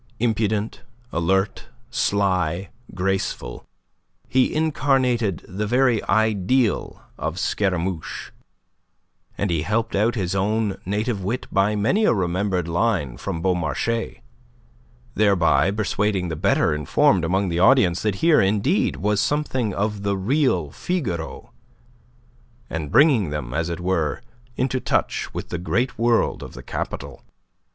Impudent, alert, sly, graceful, he incarnated the very ideal of Scaramouche, and he helped out his own native wit by many a remembered line from Beaumarchais, thereby persuading the better informed among the audience that here indeed was something of the real Figaro, and bringing them, as it were, into touch with the great world of the capital.